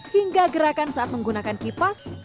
hingga gerakan saat menggunakan kipas